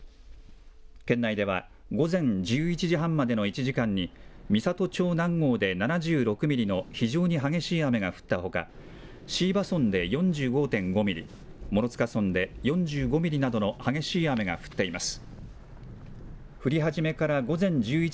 県内では、午前１１時半までの１時間に、美郷町南郷で７６ミリの非常に激しい雨が降ったほか、椎葉村で４５．５ミリ、諸塚村で４５ミリなどの激しい雨が降っています。